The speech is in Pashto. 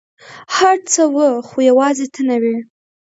هر څه وه ، خو یوازي ته نه وې !